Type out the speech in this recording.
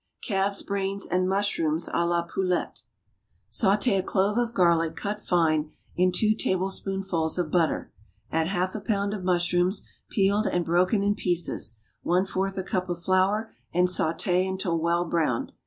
=Calves' Brains and Mushrooms à la Poulette.= Sauté a clove of garlic, cut fine, in two tablespoonfuls of butter; add half a pound of mushrooms, peeled and broken in pieces, one fourth a cup of flour, and sauté until well browned.